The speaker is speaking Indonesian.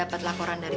sebelum kompisienen yes